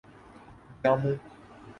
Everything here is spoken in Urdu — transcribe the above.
جامو